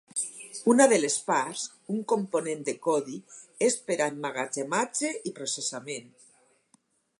Una de les parts, un component de codi, és per a emmagatzematge i processament.